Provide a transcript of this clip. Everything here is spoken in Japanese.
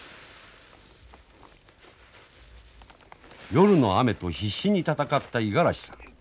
夜の雨と必死に闘った五十嵐さん。